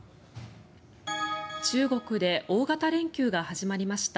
中国で大型連休が始まりました。